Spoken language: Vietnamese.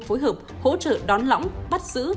phối hợp hỗ trợ đón lõng bắt xử